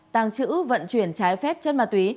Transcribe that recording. tàng chữ vận chuyển trái phép chất ma túy